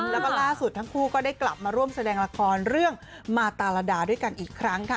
แล้วก็ล่าสุดทั้งคู่ก็ได้กลับมาร่วมแสดงละครเรื่องมาตาลาดาด้วยกันอีกครั้งค่ะ